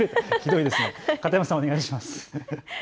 片山さん、お願いします。